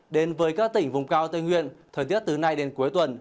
đến với các tỉnh vùng cao tây nguyên thời tiết từ nay đến cuối tuần